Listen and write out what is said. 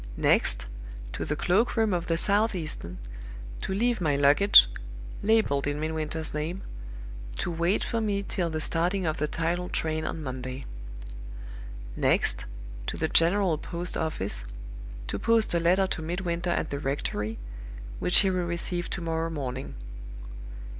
Next, to the cloak room of the Southeastern, to leave my luggage (labeled in Midwinter's name), to wait for me till the starting of the tidal train on Monday. Next, to the General Post office, to post a letter to Midwinter at the rectory, which he will receive to morrow morning.